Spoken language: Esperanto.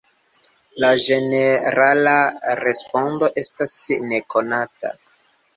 La ĝenerala respondo estas nekonata.